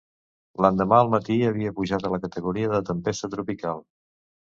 L'endemà al matí havia pujat a la categoria de tempesta tropical.